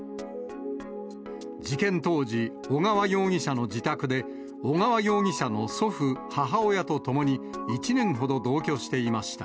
事件当時、小川容疑者の自宅で小川容疑者の祖父、母親と共に１年ほど同居していました。